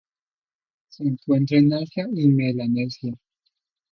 Se encuentra en Asia y Melanesia.